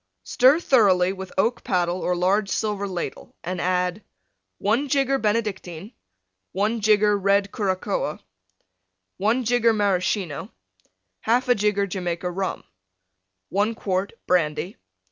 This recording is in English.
Stir thoroughly with oak paddle or large silver ladle, and add: 1 jigger Benedictine. 1 jigger Red Curacoa. 1 jigger Maraschino. 1/2 jigger Jamaica Rum. 1 quart Brandy.